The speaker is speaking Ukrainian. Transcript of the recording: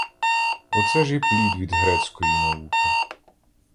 Оце ж і плід від грецької науки!